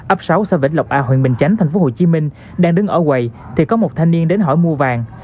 ấp sáu xã vĩnh lộc a huyện bình chánh tp hcm đang đứng ở quầy thì có một thanh niên đến hỏi mua vàng